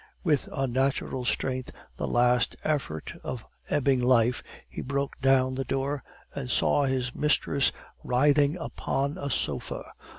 With unnatural strength, the last effort of ebbing life, he broke down the door, and saw his mistress writhing upon a sofa.